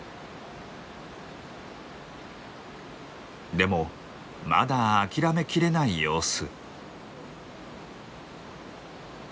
でもまだ諦めきれない様子。